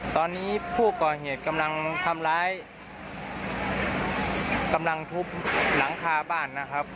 ตอนนี้ผู้ก่อเหยียดกำลังทำร้าย